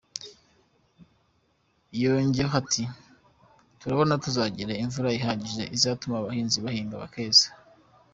Yongeho ati “Turabona tuzagira imvura ihagije izatuma abahinzi bahinga bakeza”.